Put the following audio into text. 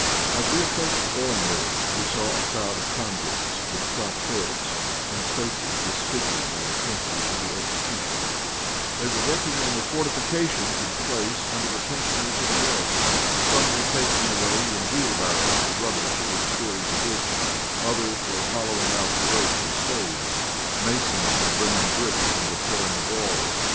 As we approached Orenburg we saw a crowd of convicts with cropped heads, and faces disfigured by the pincers of the executioner. They were working on the fortifications of the place under the pensioners of the garrison. Some were taking away in wheelbarrows the rubbish which filled the ditch; others were hollowing out the earth with spades. Masons were bringing bricks and repairing the walls.